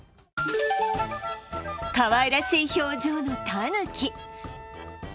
かわいらしい表情のたぬき。